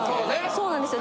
そうなんですよ。